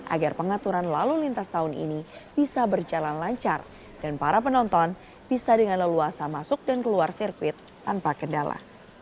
agar pengaturan lalu lintas tahun ini bisa berjalan lancar dan para penonton bisa dengan leluasa masuk dan keluar sirkuit tanpa kendala